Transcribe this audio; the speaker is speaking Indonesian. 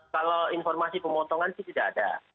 kalau informasi pemotongan sih tidak ada